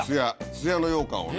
「すや」のようかんをね。